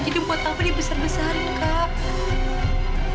jadi buat apa dibesar besarin kak